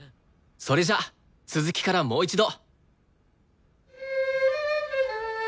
それじゃあ続きからもう一度。